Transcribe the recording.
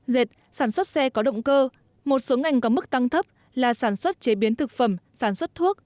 dệt sản xuất xe có động cơ một số ngành có mức tăng thấp là sản xuất chế biến thực phẩm sản xuất thuốc